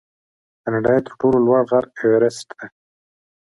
د نړۍ تر ټولو لوړ غر ایورسټ دی.